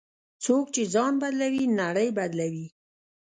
څوک چې ځان بدلوي، نړۍ بدلوي.